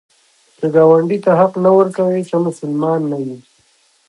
که ګاونډي ته حق نه ورکوې، ته مسلمان نه یې